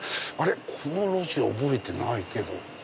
この路地覚えてないけど。